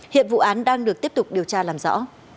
hiện vụ án đang được tiếp tục điều tra làm rõ